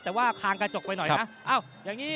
แต่ว่าคางกระจกไปหน่อยนะ